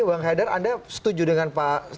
bang haidar anda setuju dengan pak